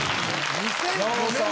２００５年。